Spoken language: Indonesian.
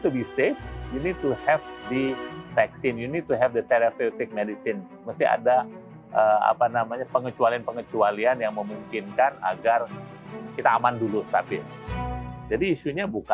benua afrika masih menjadi suatu